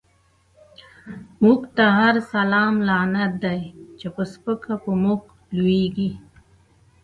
موږ ته هر سلام لعنت دی، چی په سپکه په موږ لويږی